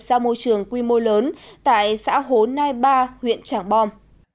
ra môi trường quy mô lớn tại xã hồ nai ba huyện trảng bom